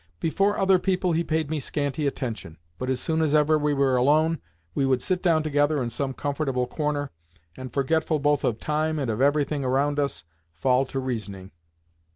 Before other people he paid me scanty attention, but as soon as ever we were alone, we would sit down together in some comfortable corner and, forgetful both of time and of everything around us, fall to reasoning.